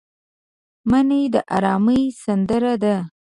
منی د ارامۍ سندره ده